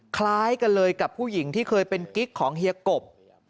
คล้ายกันเลยกับผู้หญิงที่เคยเป็นกิ๊กของเฮียกบ